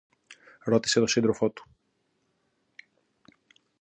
ρώτησε το σύντροφο του.